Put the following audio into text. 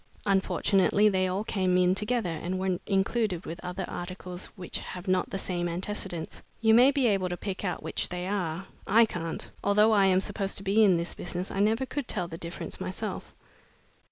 "Unfortunately, they all came in together and were included with other articles which have not the same antecedents. You may be able to pick out which they are. I can't. Although I am supposed to be in the business, I never could tell the difference myself."